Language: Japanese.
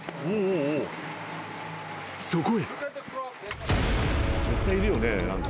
［そこへ］